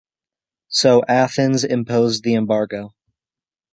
So Athens imposed the embargo.